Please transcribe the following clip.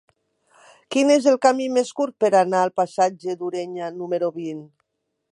Quin és el camí més curt per anar al passatge d'Ureña número vint?